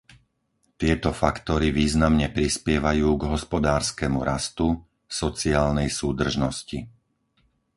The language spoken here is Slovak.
Tieto faktory významne prispievajú k hospodárskemu rastu, sociálnej súdržnosti.